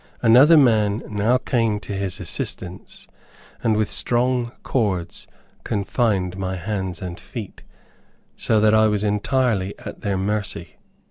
Another man now came to his assistance, and with strong cords confined my hands and feet, so that I was entirely at their mercy.